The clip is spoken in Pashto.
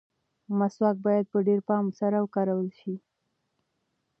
مسواک باید په ډېر پام سره وکارول شي.